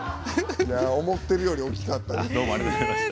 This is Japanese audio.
思っているより大きかったです。